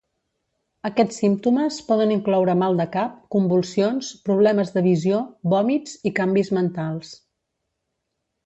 Aquests símptomes poden incloure mal de cap, convulsions, problemes de visió, vòmits i canvis mentals.